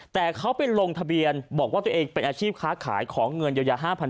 แต่เขาไปลงทะเบียนบอกว่าตัวเองเป็นอาชีพค้าขายของเงินเยียวยา๕๐๐